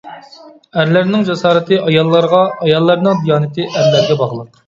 ئەرلەرنىڭ جاسارىتى ئاياللارغا، ئاياللارنىڭ دىيانىتى ئەرلەرگە باغلىق.